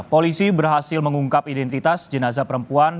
polisi berhasil mengungkap identitas jenazah perempuan